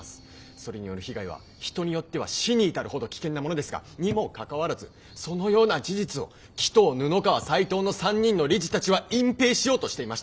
それによる被害は人によっては死に至るほど危険なものですがにもかかわらずそのような事実を鬼頭布川斎藤の３人の理事たちは隠蔽しようとしていました。